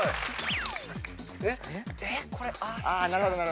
なるほど。